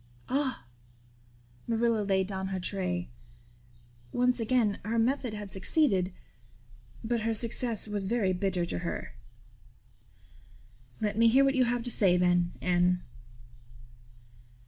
"Ah!" Marilla laid down her tray. Once again her method had succeeded; but her success was very bitter to her. "Let me hear what you have to say then, Anne."